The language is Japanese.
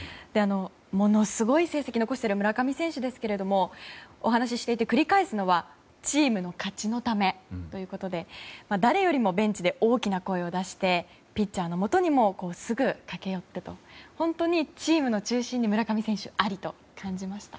ものすごい成績を残している村上選手ですけどお話ししていて、繰り返すのはチームの勝ちのためということで誰よりもベンチで大きな声を出してピッチャーのもとにすぐに駆け寄ってと本当に、チームの中心に村上選手ありと感じました。